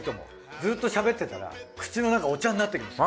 ずっとしゃべってたら口の中お茶になってきますよ。